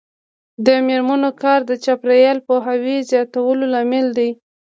د میرمنو کار د چاپیریال پوهاوي زیاتولو لامل دی.